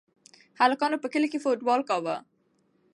هلکانو په کلي کې فوټبال کاوه.